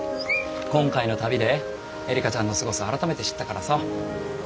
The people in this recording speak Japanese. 今回の旅でえりかちゃんのすごさ改めて知ったからさ。